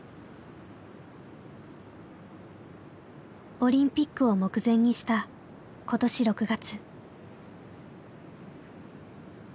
オリンピックを目前にした今年６月。